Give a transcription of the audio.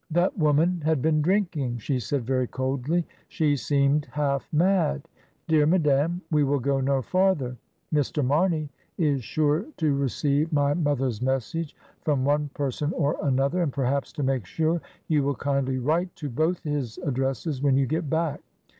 "That woman had been drinking," she said very coldly; "she seemed half mad. Dear madame, we will go no farther. Mr. Marney is sure to receive my mother's message from one person or another, and perhaps, to make sure, you will kindly write to both his addresses when you get back.